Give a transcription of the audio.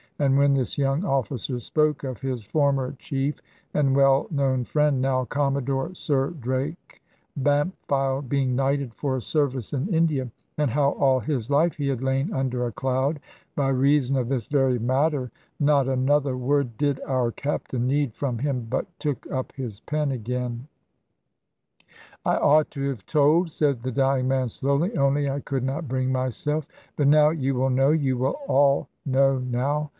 And when this young officer spoke of his former chief and well known friend, now Commodore Sir Drake Bampfylde (being knighted for service in India), and how all his life he had lain under a cloud by reason of this very matter, not another word did our Captain need from him, but took up his pen again. "I ought to have told," said the dying man slowly; "only I could not bring myself. But now you will know, you will all know now.